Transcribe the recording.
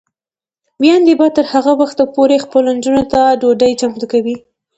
میندې به تر هغه وخته پورې خپلو نجونو ته ډوډۍ چمتو کوي.